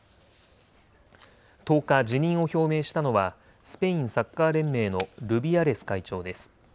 １０日、辞任を表明したのはスペインサッカー連盟のルビアレス会長です。